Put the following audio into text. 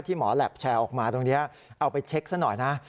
หมอแหลปแชร์ออกมาตรงนี้เอาไปเช็คซะหน่อยนะ